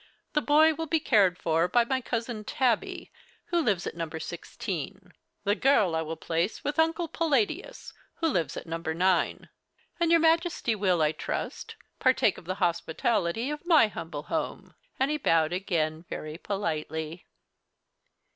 The boy will be cared for by my cousin Tabby, who lives at number 16. The girl I will place with Uncle Palladius, who lives at number 9. And your Majesty will, I trust, partake of the hospitality of my humble home." And he bowed again, very politely.